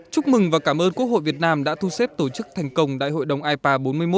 chúc mừng và cảm ơn quốc hội việt nam đã thu xếp tổ chức thành công đại hội đồng ipa bốn mươi một